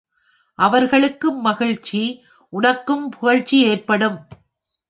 அவர்களுக்கும் மகிழ்ச்சி உனக்கும் புகழ்ச்சி ஏற்படும்.